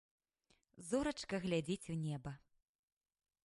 Зорачка глядзіць у неба.